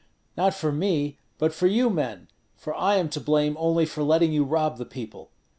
"Not for me, but for you men; for I am to blame only for letting you rob the people.